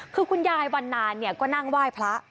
คือคุณยายวันนานก็นั่งไหว้พระ